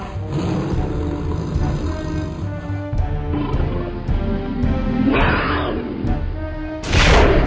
supaya dia lewat sana